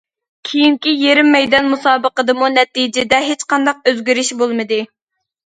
كېيىنكى يېرىم مەيدان مۇسابىقىدىمۇ نەتىجىدە ھېچقانداق ئۆزگىرىش بولمىدى.